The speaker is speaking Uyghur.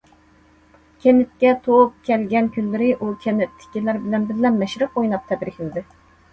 كەنتكە توك كەلگەن كۈنلىرى ئۇ كەنتتىكىلەر بىلەن بىللە مەشرەپ ئويناپ تەبرىكلىدى.